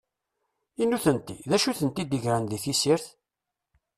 I nutenti, d acu i tent-id-igren di tessirt?